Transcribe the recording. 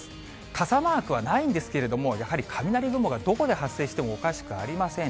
傘マークはないんですけれども、やはり雷雲がどこで発生してもおかしくありません。